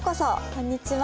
こんにちは。